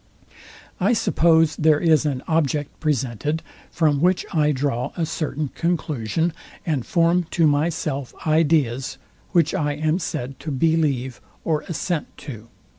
I suppose there is an object presented, from which I draw a certain conclusion, and form to myself ideas, which I am said to believe or assent to.